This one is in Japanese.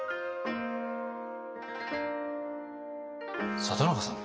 里中さん